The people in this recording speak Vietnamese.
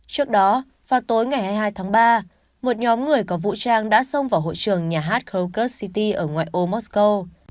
trước đó vào tối ngày hai mươi hai tháng ba một nhóm người có vũ trang đã xông vào hội trường nhà hát krokus city ở ngoại ô mosco